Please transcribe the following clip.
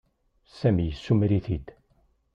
Sami yessumer-it-id.